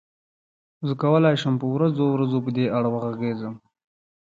زه کولای شم په ورځو ورځو په دې اړه وغږېږم.